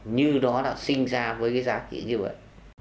như đó đã sinh ra với cái giá trị như vậy